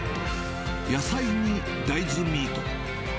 野菜に大豆ミート。